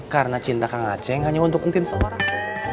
karena cinta kak ngaceng hanya untuk entin seorang